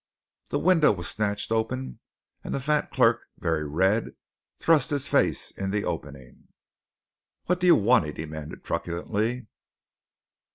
The window was snatched open, and the fat clerk, very red, thrust his face in the opening. "What do you want?" he demanded truculently.